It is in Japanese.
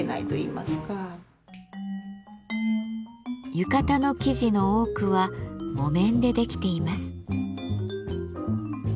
浴衣の生地の多くは木綿でできています。